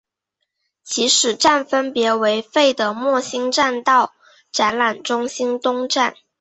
起始站分别为费德莫兴站到展览中心东站。